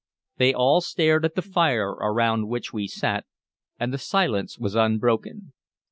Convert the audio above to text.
They all stared at the fire around which we sat, and the silence was unbroken.